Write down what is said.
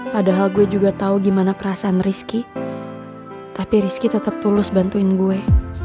padahal gue juga tahu gimana perasaan rizky tapi rizky tetap tulus bantuin gue